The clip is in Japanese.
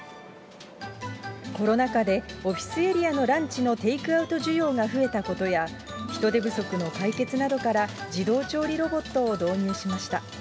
コロナ禍でオフィスエリアのランチのテイクアウト需要が増えたことや、人手不足の解決などから自動調理ロボットを導入しました。